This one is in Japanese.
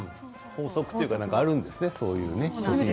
法則というのがあるんですね。